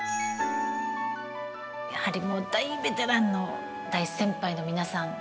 やはり大ベテランの大先輩の皆さん